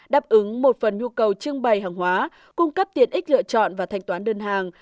đáp ứng một phần nhu cầu trưng bày hàng hóa cung cấp tiện ích lựa chọn và thanh toán đơn hàng